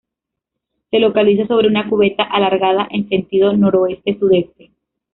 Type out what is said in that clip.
Se localiza sobre una cubeta alargada en sentido noroeste-sudeste.